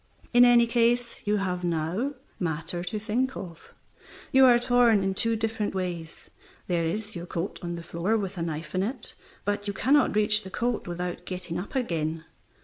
In any case you have now matter to think of. You are torn in two different ways. There is your coat on the floor with a knife in it, but you cannot reach the coat without getting up again.